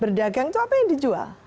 berdagang itu apa yang dijual